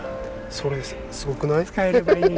それすごくない？